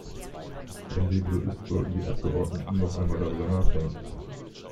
Wenn dem so ist, sollten die Abgeordneten noch einmal darüber nachdenken.